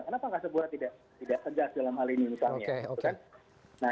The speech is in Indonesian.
kenapa anggasa pura tidak sejas dalam hal ini misalnya